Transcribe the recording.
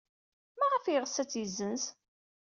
Maɣef ay yeɣs ad tt-yessenz?